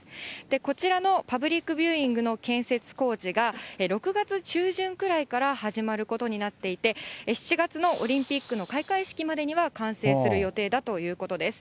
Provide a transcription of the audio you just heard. こちらのパブリックビューイングの建設工事が、６月中旬くらいから始まることになっていて、７月のオリンピックの開会式までには、完成する予定だということです。